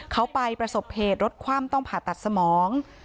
เขาไปประสบเหตุรถคว่ำต้องผ่าตัดสมอง